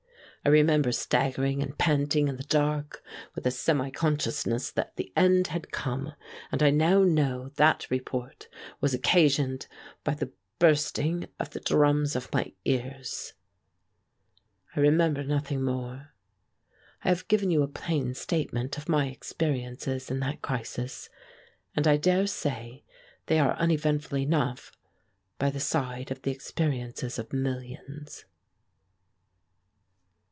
I remember staggering and panting in the dark, with a semi consciousness that the end had come, and I now know that report was occasioned by the bursting of the drums of my ears. I remember nothing more. I have given you a plain statement of my experiences in that crisis, and I dare say they are uneventful enough by the side of the experiences of millions.